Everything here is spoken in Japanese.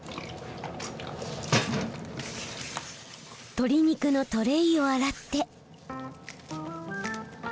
鶏肉のトレーを洗って。